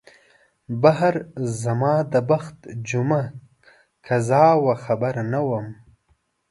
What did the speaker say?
بهر زما د بخت جمعه قضا وه خبر نه وم